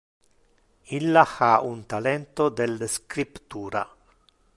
Illa ha un talento del scriptura.